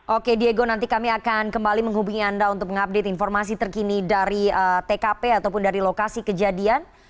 oke diego nanti kami akan kembali menghubungi anda untuk mengupdate informasi terkini dari tkp ataupun dari lokasi kejadian